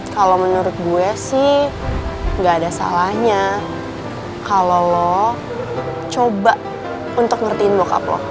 kalau menurut gue sih nggak ada salahnya kalau lo coba untuk ngertiin bokap lo